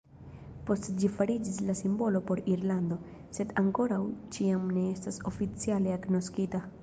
Poste ĝi fariĝis la simbolo por Irlando, sed ankoraŭ ĉiam ne estas oficiale agnoskita.